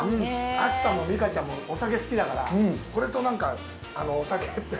亜紀さんも美佳ちゃんもお酒好きだからこれとなんかお酒。